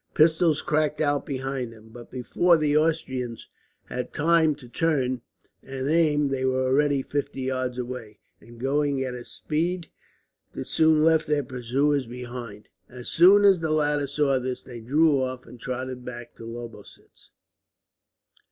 Pistols cracked out behind them, but before the Austrians had time to turn and aim they were already fifty yards away, and going at a speed that soon left their pursuers behind. As soon as the latter saw this they drew off, and trotted back to Lobositz.